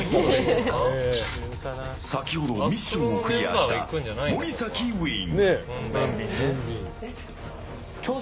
先ほど、ミッションをクリアした森崎ウィン。